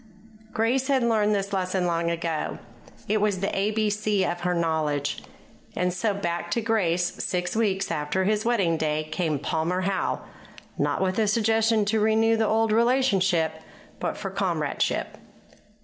Grace had learned this lesson long ago. It was the ABC of her knowledge. And so, back to Grace six weeks after his wedding day came Palmer Howe, not with a suggestion to renew the old relationship, but for comradeship.